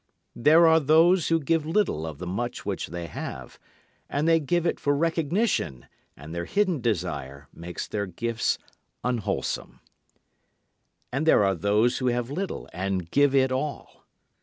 There are those who give little of the much which they have and they give it for recognition and their hidden desire makes their gifts unwholesome. And there are those who have little and give it all.